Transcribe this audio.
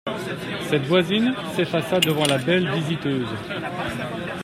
Cette voisine s'effaça devant la belle visiteuse.